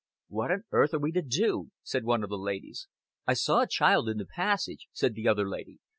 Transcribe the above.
"What on earth are we to do?" said one of the ladies. "I saw a child in the passage," said the other lady.